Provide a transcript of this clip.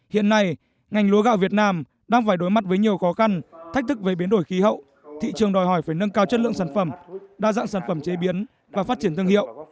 hiện nay ngành lúa gạo việt nam đang phải đối mặt với nhiều khó khăn thách thức về biến đổi khí hậu thị trường đòi hỏi phải nâng cao chất lượng sản phẩm đa dạng sản phẩm chế biến và phát triển thương hiệu